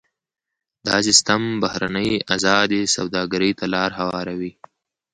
دا سیستم بهرنۍ ازادې سوداګرۍ ته لار هواروي.